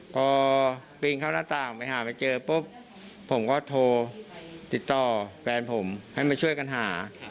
พอปีนเข้าหน้าต่างไปหาไปเจอปุ๊บผมก็โทรติดต่อแฟนผมให้มาช่วยกันหา